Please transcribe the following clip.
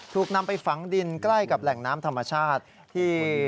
ถูกนำไปฝังดินใกล้กับแหล่งน้ำธรรมชาติที่